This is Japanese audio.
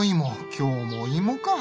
今日も芋か。